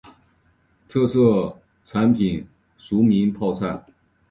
特色产品裕民泡菜。